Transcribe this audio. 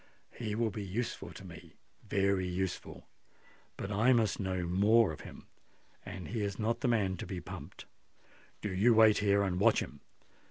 He will be useful to me—very useful. But I must know more of him—and he is not the man to be pumped. Do you wait here, and watch him.